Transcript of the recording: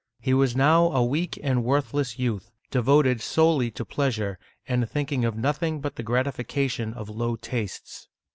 He was now a weak and worthless youth, devoted solely to pleasure, and thinking of nothing but the grati fication of low tastes.